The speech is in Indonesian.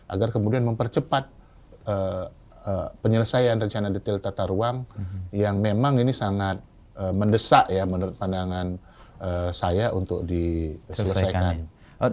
agar kemudian mempercepat penyelesaian rencana detail tata ruang yang memang ini sangat mendesak ya menurut pandangan saya untuk diselesaikan